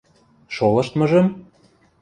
– Шолыштмыжым?